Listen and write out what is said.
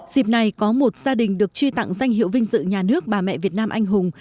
dịp này có một gia đình được truy tặng danh hiệu vinh dự nhà nước bà mẹ việt nam anh hùng